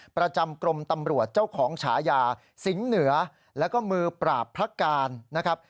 ประจำกรมตำรวจเจ้าของฉายาสิงห์เหนือแล้วก็มือปราบพระการนะครับ